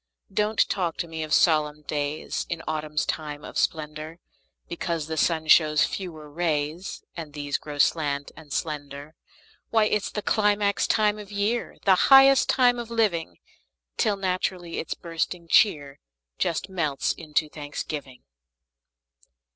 Don't talk to me of solemn days In autumn's time of splendor, Because the sun shows fewer rays, And these grow slant and slender. Why, it's the climax of the year, The highest time of living! Till naturally its bursting cheer Just melts into thanksgiving.